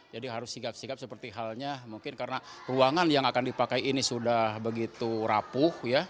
jadi harus sigap sigap seperti halnya mungkin karena ruangan yang akan dipakai ini sudah begitu rapuh